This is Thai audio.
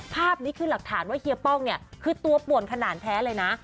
ภาพนี้คือหลักฐานว่าเฮียป้องเนี่ยคือตัวป่วนขนาดแท้เลยนะ